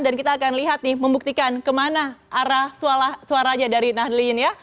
dan kita akan lihat nih membuktikan kemana arah suaranya dari nahlin ya